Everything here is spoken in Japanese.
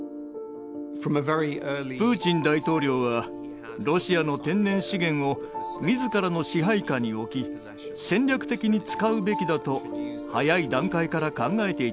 プーチン大統領はロシアの天然資源をみずからの支配下に置き戦略的に使うべきだと早い段階から考えていたのです。